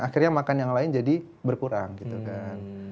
akhirnya makan yang lain jadi berkurang gitu kan